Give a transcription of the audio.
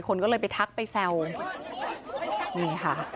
คนก็เลยไปทักไปแซวนี่ค่ะ